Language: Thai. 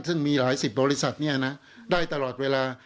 ซึ่งมีหลายสิบบริษัทได้ตลอดเวลา